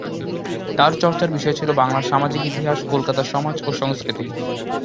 তার চর্চার বিষয় ছিল বাংলার সামাজিক ইতিহাস, কলকাতার সমাজ ও সংস্কৃতি।